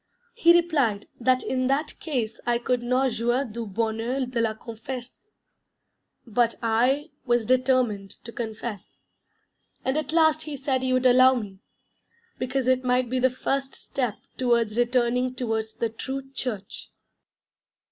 He replied that in that case I could not "jouir du bonheur de la confesse," but I was determined to confess, and at last he said he would allow me, because it might be the first step towards returning towards the true Church.